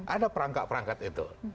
ada perangkat perangkat itu